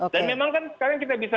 dan memang kan sekarang kita bisa